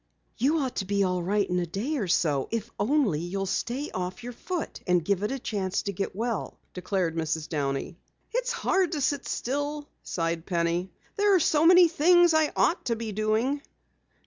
"You ought to be all right in a day or so if only you'll stay off your foot and give it a chance to get well," declared Mrs. Downey. "It's hard to sit still," sighed Penny. "There are so many things I ought to be doing."